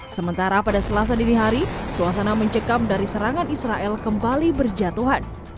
sementara pada selasa dini hari suasana mencekam dari serangan israel kembali berjatuhan